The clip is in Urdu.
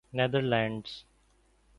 neither lands